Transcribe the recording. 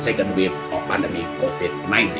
perang kedua pandemi covid sembilan belas